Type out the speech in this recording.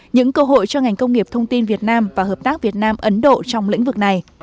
những cơ hội cho ngành công nghiệp thông tin việt nam và hợp tác việt nam ấn độ trong lĩnh vực này